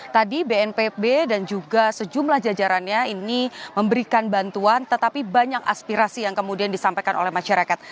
tadi bnpb dan juga sejumlah jajarannya ini memberikan bantuan tetapi banyak aspirasi yang kemudian disampaikan oleh masyarakat